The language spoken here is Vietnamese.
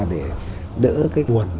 để đỡ cái buồn